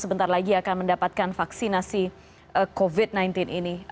untuk mendapatkan vaksinasi covid sembilan belas ini